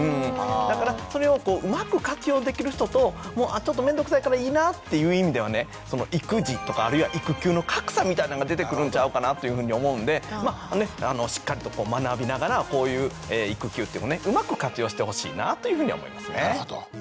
だからそれをうまく活用できる人ともうあちょっとめんどくさいからいいなっていう意味ではね育児とかあるいは育休の格差みたいなんが出てくるんちゃうかなというふうに思うんでまあねしっかりと学びながらこういう育休っていうのをねうまく活用してほしいなぁというふうには思いますね。